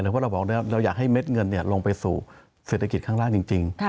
เพราะเราบอกแล้วเราอยากให้เม็ดเงินลงไปสู่เศรษฐกิจข้างล่างจริง